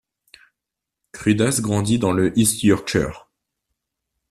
Cruddas grandit dans le East Yorkshire.